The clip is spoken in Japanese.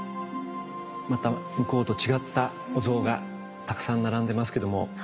また向こうと違ったお像がたくさん並んでますけども。